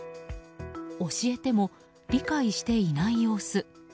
教えても、理解していない様子。